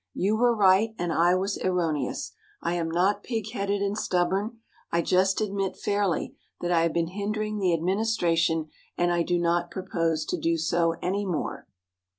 You were right and I was erroneous. I am not pig headed and stubborn. I just admit fairly that I have been hindering the administration, and I do not propose to do so any more."